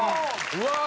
うわ！